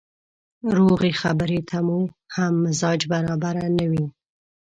روغې خبرې ته مو هم مزاج برابره نه وي.